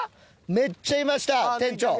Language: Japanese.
めっちゃいました店長！